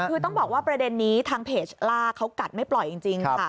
คือต้องบอกว่าประเด็นนี้ทางเพจล่าเขากัดไม่ปล่อยจริงค่ะ